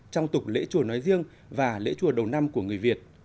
trong tục lễ chùa nói riêng và lễ chùa đầu năm của người việt